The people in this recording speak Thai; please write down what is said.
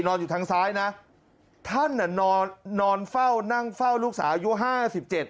นอนอยู่ทางซ้ายนะท่านนอนนั่งเฝ้าลูกศาอายุ๕๗